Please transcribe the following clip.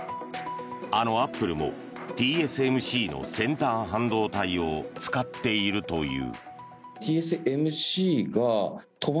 あのアップルも、ＴＳＭＣの先端半導体を使っているという。